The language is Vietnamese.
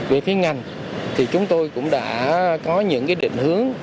về phía ngành thì chúng tôi cũng đã có những định hướng